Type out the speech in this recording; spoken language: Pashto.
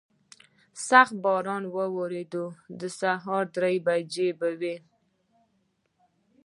سخت باران ورېده، د سهار درې بجې به وې.